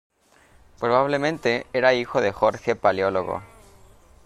Probablemente era hijo de Jorge Paleólogo.